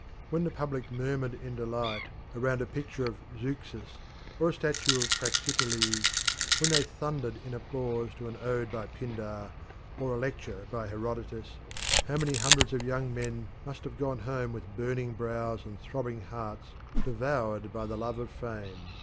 When the public murmured in delight around a picture of Xeuxis or a statue of Praxiteles, when they thundered in applause to an ode by Pindar or a lecture by Herodotus, how many hundreds of young men must have gone home with burning brows and throbbing hearts, devoured by the love of fame!